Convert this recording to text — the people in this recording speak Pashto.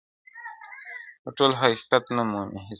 • خو ټول حقيقت نه مومي هېڅکله,